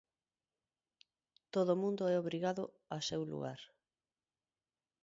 Todo mundo é obrigado a seu lugar.